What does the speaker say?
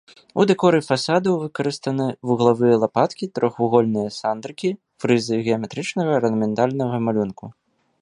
У дэкоры фасадаў выкарыстаны вуглавыя лапаткі, трохвугольныя сандрыкі, фрызы геаметрычнага арнаментальнага малюнку.